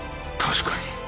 確かに。